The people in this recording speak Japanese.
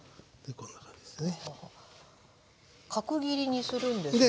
こんな感じですね。